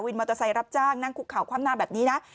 มอเตอร์ไซค์รับจ้างนั่งคุกข่าวคว่ำหน้าแบบนี้นะ